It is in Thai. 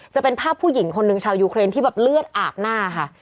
จะเป็นภาพผู้หญิงคนหนึ่งชาวยูเครนที่แบบเลือดอาบหน้าค่ะ